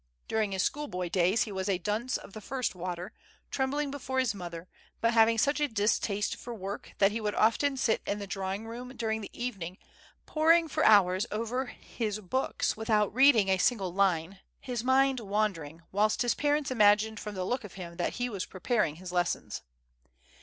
During his sclioplbpy days, he was a dunce of the first water, trembling before his mother, but having such a distaste for work that he would often sit in the drawing room during the eyening poring for hours over his books witjiout reading a single line, his mind 7 114 FREDERIC. wandering, whilst his parents imagined from ti e look of him that he was preparing his lessons.